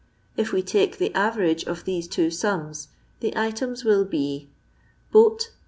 If wo take the average of these two sums, the items will be —£ s.